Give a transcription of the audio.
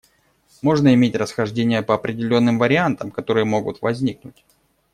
Можно иметь расхождения по определенным вариантам, которые могут возникнуть.